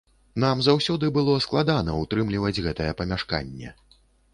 Нам заўсёды было складана ўтрымліваць гэтае памяшканне.